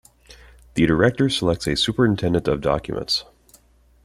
The Director selects a Superintendent of Documents.